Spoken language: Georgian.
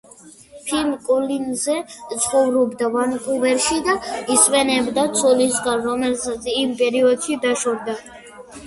ფილ კოლინზი ცხოვრობდა ვანკუვერში და ისვენებდა ცოლისგან, რომელსაც იმ პერიოდში დაშორდა.